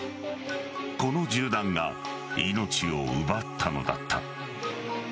この銃弾が命を奪ったのだった。